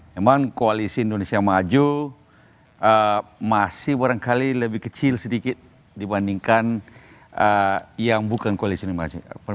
memang koalisi indonesia maju masih barangkali lebih kecil sedikit dibandingkan yang bukan koalisi indonesia